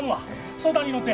相談に乗って。